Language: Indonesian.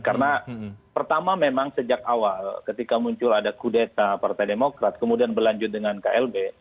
karena pertama memang sejak awal ketika muncul ada kudeta partai demokrat kemudian berlanjut dengan klb